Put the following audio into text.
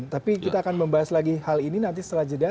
tapi kita akan membahas lagi hal ini nanti setelah jeda